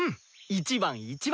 １番１番。